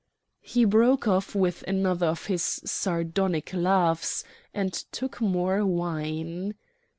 He broke off with another of his sardonic laughs, and took more wine.